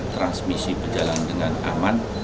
transmisi berjalan dengan aman